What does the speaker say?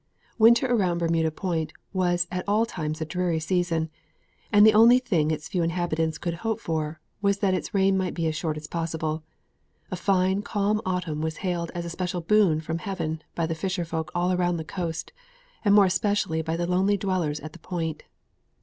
Winter around Bermuda Point was at all times a dreary season, and the only thing its few inhabitants could hope for was that its reign might be as short as possible. A fine, calm autumn was hailed as a special boon from heaven by the fisher folk all round the coast, and more especially by the lonely dwellers at the Point.